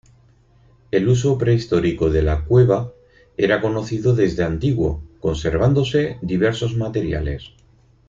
El uso prehistórico de la Cueva era conocido desde antiguo, conservándose diversos materiales.